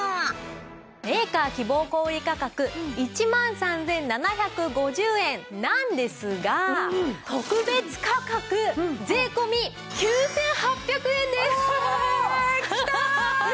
メーカー希望小売価格１万３７５０円なんですが特別価格税込９８００円です。え！